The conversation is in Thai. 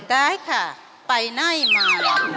ได้ค่ะไปไหนมา